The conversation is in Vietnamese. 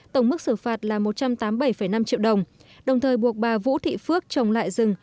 tổng mức xử phạt là một trăm tám mươi bảy năm triệu đồng đồng thời buộc bà vũ thị phước trồng lại rừng